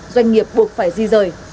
doanh nghiệp buộc phải di rời